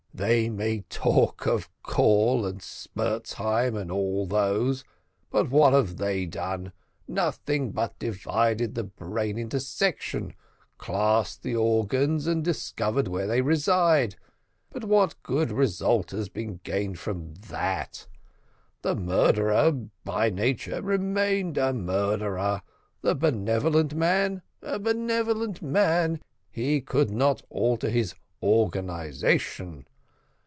They may talk of Gall and Spurzheim, and all those; but what have they done? nothing but divided the brain into sections, classed the organs, and discovered where they reside; but what good result has been gained from that? the murderer by nature remained a murderer the benevolent man, a benevolent man he could not alter his organisation.